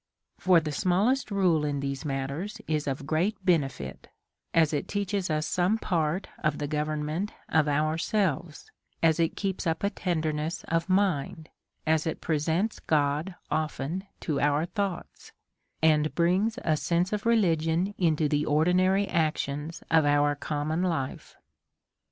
For the smallest rule in these matters is of great benefit, as it teaches us some part of the government of ourselves, as it keeps up a tenderness of mind, as it presents God often to our thoughts, and brings a sense of religion into the ordinary actions of our common life.